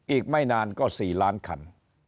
อีกไม่นานก็๔ล้านคัน